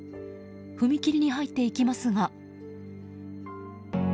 踏切に入っていきますが。